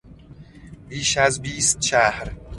بیش از بیست شهر